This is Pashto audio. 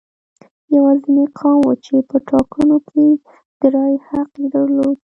یوازینی قوم و چې په ټاکنو کې د رایې حق یې درلود.